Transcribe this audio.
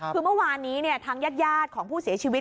คือเมื่อวานนี้ทางญาติของผู้เสียชีวิต